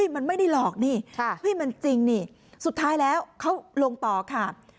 มันไม่ได้หลอกนี่มันจริงนี่สุดท้ายแล้วเขาลงต่อค่ะ